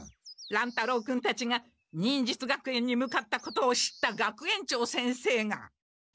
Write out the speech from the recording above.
乱太郎君たちが忍術学園に向かったことを知った学園長先生が。